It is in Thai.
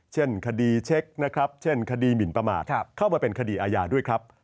เช่นคดีเช็คนะครับเช่นคดีหมินประมาทเข้ามาเป็นคดีอาญาด้วยครับ